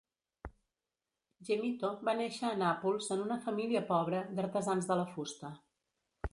Gemito va néixer a Nàpols en una família pobre, d'artesans de la fusta.